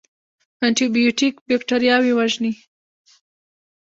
انټي بیوټیک بکتریاوې وژني